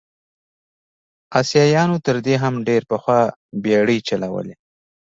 اسیایانو تر دې هم ډېر پخوا بېړۍ چلولې.